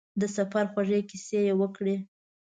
د سفر خوږې کیسې یې وکړې.